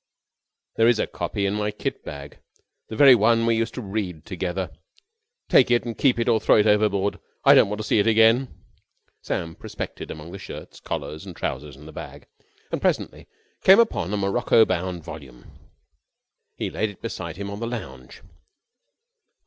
"There is a copy in my kit bag. The very one we used to read together. Take it and keep it or throw it overboard. I don't want to see it again." Sam prospected among the shirts, collars and trousers in the bag and presently came upon a morocco bound volume. He laid it beside him on the lounge.